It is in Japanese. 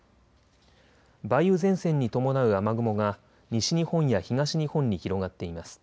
梅雨前線に伴う雨雲が西日本や東日本に広がっています。